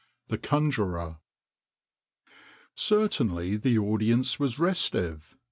THE CONJURER CERTAINLY the audience was restive.